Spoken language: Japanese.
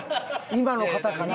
今の方かな。